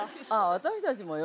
私たちもよ。